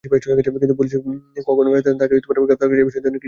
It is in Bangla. কিন্তু পুলিশ কখন, কাকে গ্রেপ্তার করেছে—এ বিষয়ে তিনি কিছুই জানেন না।